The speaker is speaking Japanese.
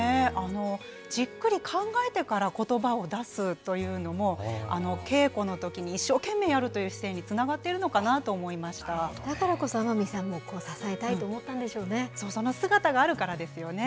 じっくり考えてからことばを出すというのも、稽古のときに一生懸命やるという姿勢につながっているのかなと思だからこそ、天海さんも支えその姿があるからですよね。